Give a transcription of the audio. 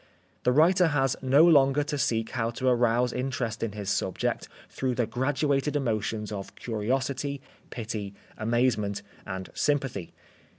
The writer has no longer to seek how to arouse interest in his subject through the graduated emotions of curiosity, pity, amazement and sympathy.